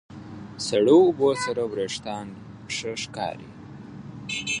سړو اوبو سره وېښتيان ښه ښکاري.